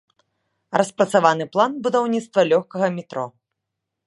Распрацаваны план будаўніцтва лёгкага метро.